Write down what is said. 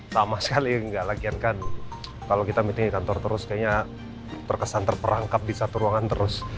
lama sekali nggak lagian kan kalau kita meeting kantor terus kayaknya terkesan terperangkap di satu ruangan terus